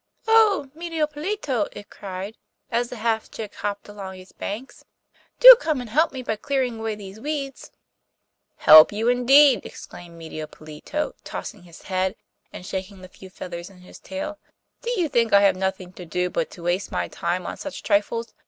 'Oh! Medio Pollito,' it cried, as the half chick hopped along its banks, 'do come and help me by clearing away these weeds.' 'Help you, indeed!' exclaimed Medio Pollito, tossing his head, and shaking the few feathers in his tail. 'Do you think I have nothing to do but to waste my time on such trifles?